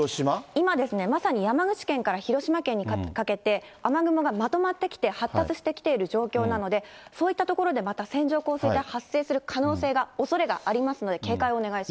今まさに山口県から広島県にかけて雨雲がまとまってきて、発達してきている状況なので、そういった所でまた線状降水帯、発生する可能性が、おそれがありますので、警戒をお願いします。